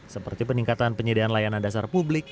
seperti peningkatan penyediaan layanan dasar publik